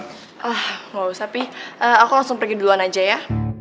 wah gak usah pi aku langsung pergi duluan aja ya